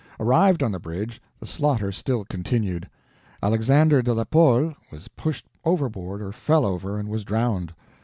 Arrived on the bridge, the slaughter still continued. Alexander de la Pole was pushed overboard or fell over, and was drowned.